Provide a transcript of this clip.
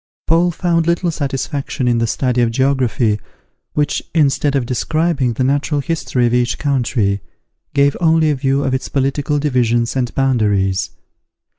Paul found little satisfaction in the study of geography, which, instead of describing the natural history of each country, gave only a view of its political divisions and boundaries.